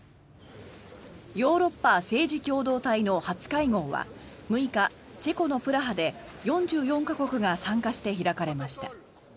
ヨーロッパ政治共同体の初会合は６日チェコのプラハで４４か国が参加して開かれました。